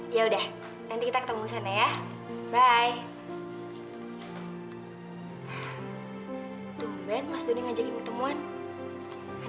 bukan keren bener astaga